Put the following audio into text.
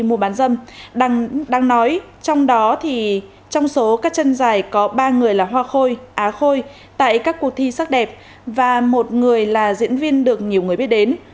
công an tp hcm đang nói trong đó thì trong số các chân dài có ba người là hoa khôi á khôi tại các cuộc thi sắc đẹp và một người là diễn viên được nhiều người biết đến